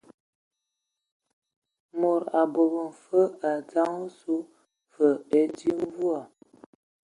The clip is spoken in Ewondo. Mod a bobo fəg e dzam osu, və e dzi mvua.